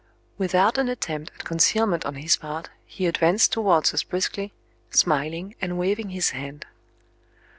Without an attempt at concealment on his part, he advanced towards us briskly, smiling and waving his hand.